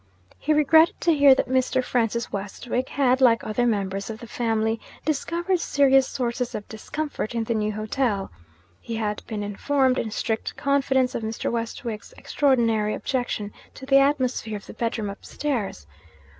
He regretted to hear that Mr. Francis Westwick had, like other members of the family, discovered serious sources of discomfort in the new hotel. He had been informed in strict confidence of Mr. Westwick's extraordinary objection to the atmosphere of the bedroom upstairs.